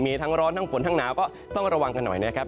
มีทั้งร้อนทั้งฝนทั้งหนาวก็ต้องระวังกันหน่อยนะครับ